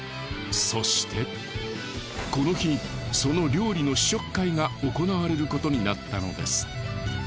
そしてこの日その料理の試食会が行われることになったのです。